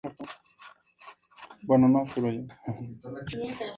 Gruñón despierta para encontrar un presente delante de su puerta.